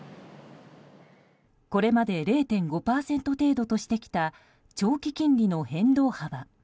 これまで０．５％程度としてきた長期金利の変動幅。